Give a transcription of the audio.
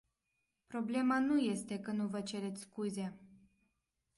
Problema nu este că nu vă cereți scuze.